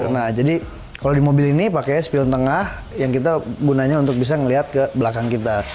nah jadi kalau di mobil ini pakai spill tengah yang kita gunanya untuk bisa melihat ke belakang kita